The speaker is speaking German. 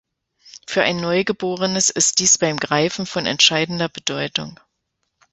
Für ein Neugeborenes ist dies beim Greifen von entscheidender Bedeutung.